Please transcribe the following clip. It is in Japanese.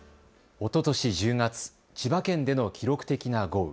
おととし１０月、千葉県での記録的な豪雨。